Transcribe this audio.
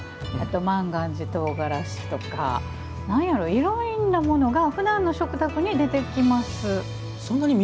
万願寺とうがらしとかいろいろなものがふだんの食卓に出てきます。